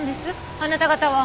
あなた方は。